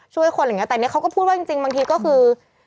ช่วยคนอะไรอย่างเงี้แต่เนี่ยเขาก็พูดว่าจริงบางทีก็คือ